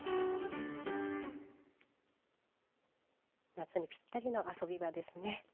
夏にぴったりな遊び場ですね。